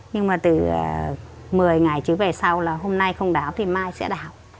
nhưng mà từ một mươi ngày trở về sau là hôm nay không đảo thì mai sẽ đảo